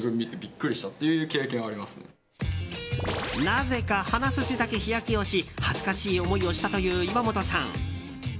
なぜか鼻筋だけ日焼けをし恥ずかしい思いをしたという岩本さん。